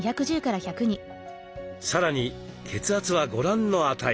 さらに血圧はご覧の値。